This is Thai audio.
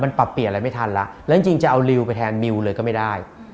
มันปรับเปลี่ยนอะไรไม่ทันแล้วแล้วจริงจะเอาริวไปแทนมิวเลยก็ไม่ได้